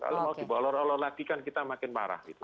kalau mau dibolor olor lagi kan kita makin marah gitu